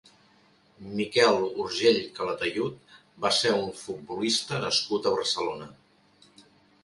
Miquel Urgell Calatayud va ser un futbolista nascut a Barcelona.